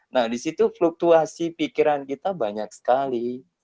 nah di situ fluktuasi pikiran kita banyak sekali